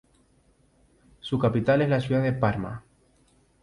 Su capital es la ciudad de Parma.